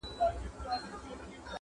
• په وطن کي نه مکتب نه مدرسه وي -